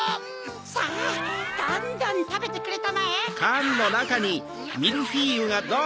さぁどんどんたべてくれたまえ！